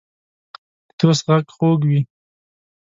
د دوست غږ خوږ وي.